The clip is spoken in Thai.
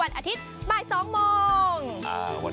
ทันทีที่กลองยาวบันเลงเพลงขึ้นเจ้าม้ากว่า๘๐ตัว